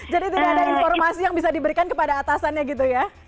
jadi tidak ada informasi yang bisa diberikan kepada atasannya gitu ya